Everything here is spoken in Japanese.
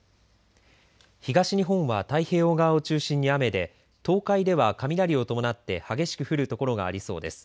東日本は太平洋側を中心に雨で東海では雷を伴って激しく降るところがありそうです。